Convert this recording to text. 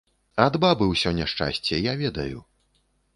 Ад бабы ўсё няшчасце, я ведаю.